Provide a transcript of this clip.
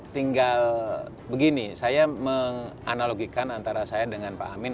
tinggal begini saya menganalogikan antara saya dengan pak amin